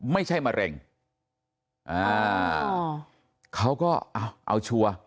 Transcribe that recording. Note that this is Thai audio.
มะเร็งอ่าเขาก็เอาเอาชัวร์